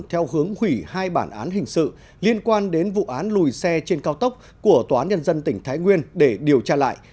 theo hướng hủy hai bản án hình sự liên quan đến vụ án lùi xe trên cao tốc của tòa nhân dân tỉnh thái nguyên để điều tra lại